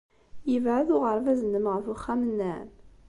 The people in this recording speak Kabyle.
Yebɛed uɣerbaz-nnem ɣef uxxam-nnem?